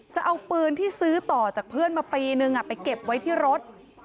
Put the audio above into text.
จะเอาปืนที่ซื้อต่อจากเพื่อนมาปีนึงไปเก็บไว้ที่รถ